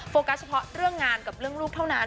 กัสเฉพาะเรื่องงานกับเรื่องลูกเท่านั้น